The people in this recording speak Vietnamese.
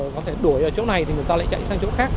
có thể đuổi ở chỗ này thì người ta lại chạy sang chỗ khác